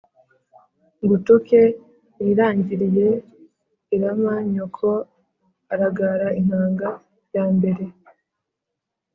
ngutuke nirangiriye irama nyoko aragara intanga ya mbere